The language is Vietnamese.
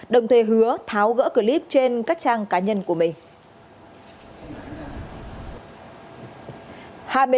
đồng thời hứa tháo gỡ clip trên các trang cá nhân của mình